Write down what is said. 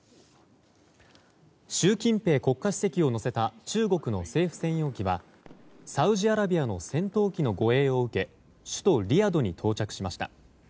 習近平国家主席を乗せた中国の政府専用機はサウジアラビアの戦闘機の護衛を受け首都リヤドに到着しました。